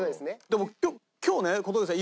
でも今日ね小峠さん